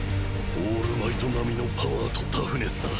オールマイト並みのパワーとタフネスだ。